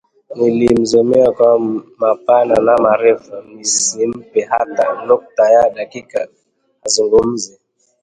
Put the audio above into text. Nilimzomea kwa mapana na marefu nisimpe hata nukta ya dakika azugumze